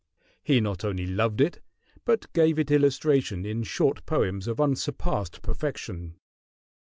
He not only loved it, but gave it illustration in short poems of unsurpassed perfection.